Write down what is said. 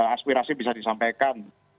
aspirasi bisa disampaikan